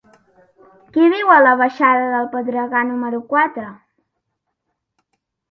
Qui viu a la baixada del Pedregar número quatre?